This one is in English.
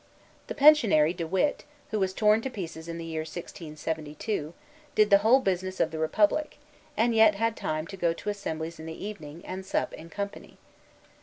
The Pensionary de Witt, who was torn to pieces in the year 1672, did the whole business of the Republic, and yet had time left to go to assemblies in the evening, and sup in company.